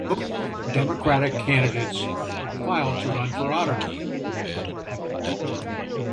No Democratic candidates filed to run for Auditor.